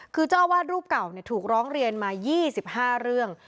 คือเจ้าอาวาสรูปเก่าถูกร้องเรียนมา๒๕เรื่อง